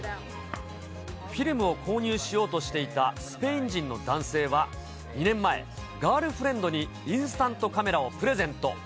フィルムを購入しようとしていたスペイン人の男性は、２年前、ガールフレンドにインスタントカメラをプレゼント。